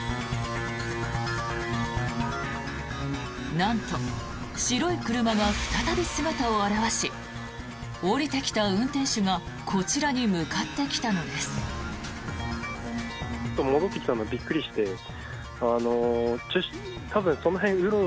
なんと白い車が再び姿を現し降りてきた運転手がこちらに向かってきたのです。